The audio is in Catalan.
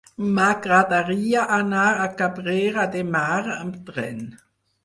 M'agradaria anar a Cabrera de Mar amb tren.